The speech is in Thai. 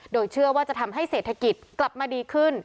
โดยเชื่อว่าจะทำให้เศรษฐกิจกลับมาดีขึ้น